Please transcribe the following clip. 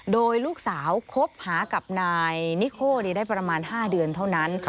โดยลูกสาวคบหากับนายนิโคได้ประมาณ๕เดือนเท่านั้น